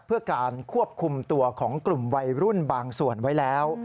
เพื่อการควบคุมตัวของกลุ่มวัยรุ่นบางส่วนไว้แล้ว